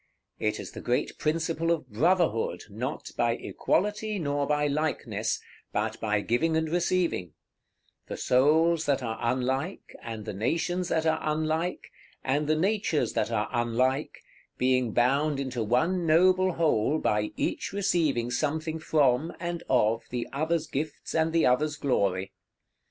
It is the great principle of Brotherhood, not by equality, nor by likeness, but by giving and receiving; the souls that are unlike, and the nations that are unlike, and the natures that are unlike, being bound into one noble whole by each receiving something from, and of, the others' gifts and the others' glory.